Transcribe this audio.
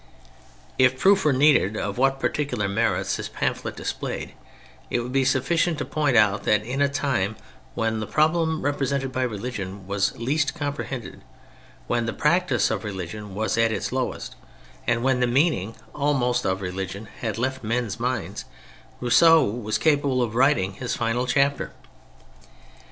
If proof were needed of what particular merits this pamphlet displayed, it would be sufficient to point out that in a time when the problem represented by religion was least comprehended, when the practice of religion was at its lowest, and when the meaning, almost, of religion had left men's minds, Rousseau was capable of writing his final chapter.